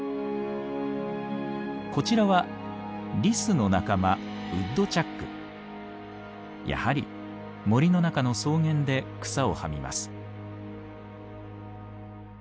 こちらはリスの仲間やはり森の中の草原で草をはみます。